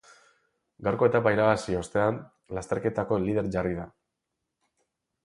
Gaurko etapa irabazi ostean, lasterketako lider jarri da.